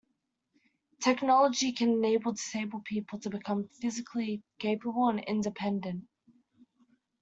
Technology can enable disabled people to become physically capable and independent.